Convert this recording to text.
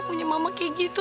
punya mama kayak gitu